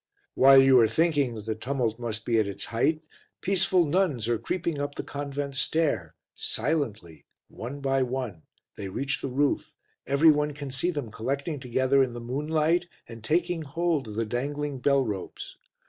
While you are thinking that the tumult must be at its height, peaceful nuns are creeping up the convent stair, silently, one by one, they reach the roof, every one can see them collecting together in the moonlight and taking hold of the dangling bell ropes.